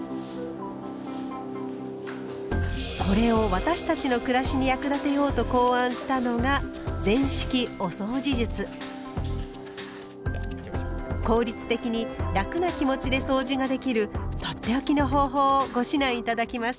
これを私たちの暮らしに役立てようと考案したのが効率的に楽な気持ちでそうじができるとっておきの方法をご指南頂きます。